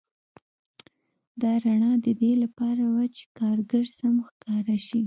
دا رڼا د دې لپاره وه چې کارګر سم ښکاره شي